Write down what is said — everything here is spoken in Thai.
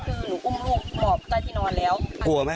เห็นหนูนั่งอยู่ตรงนี้ใช่ไหมคะมันก็ยิงเข้าไปเลยแต่ว่าจังหวะนั้นคือ